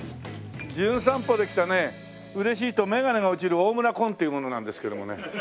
『じゅん散歩』で来たね嬉しいと眼鏡が落ちる大村崑っていう者なんですけどもね。